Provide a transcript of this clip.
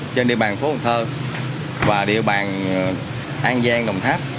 trên địa bàn phố cần thơ và địa bàn an giang đồng tháp